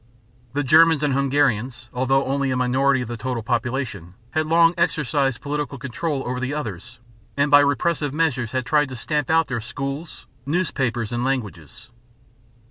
The Germans and Hungarians, although only a minority of the total population, had long exercised political control over the others and by repressive measures had tried to stamp out their schools, newspapers, and languages.